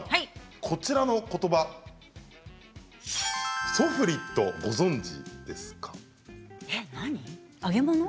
こちらのことばソフリット、ご存じですか？